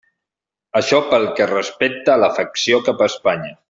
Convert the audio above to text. Això pel que respecta a l'afecció cap a Espanya.